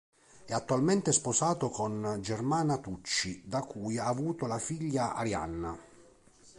È attualmente sposato con Germana Tucci da cui ha avuto la figlia Arianna.